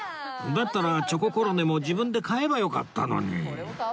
だったらチョココロネも自分で買えばよかったのに